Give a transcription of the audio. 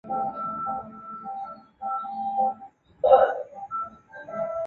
卡达巴地猿相信是人类分支从现今黑猩猩分支分裂后的最早动物。